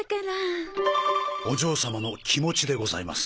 お嬢様の気持ちでございます。